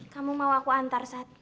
kamu mau aku antar satu